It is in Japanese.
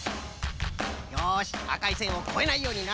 よしあかいせんをこえないようにな。